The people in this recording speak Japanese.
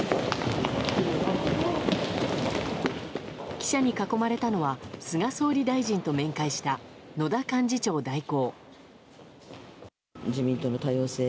記者に囲まれたのは菅総理大臣と面会した野田幹事長代行。